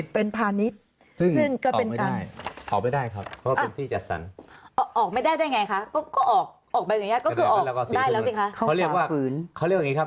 อ๋อถามของจริงใช่ไหมครับ